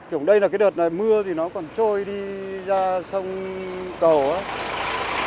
kiểu đây là cái đợt này mưa thì nó còn trôi đi ra sông cầu ấy